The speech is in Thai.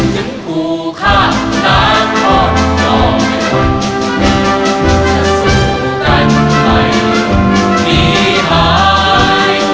จึงผู้ฆ่านาคตยอมให้ร่วมจะสู้กันใหม่มีหาย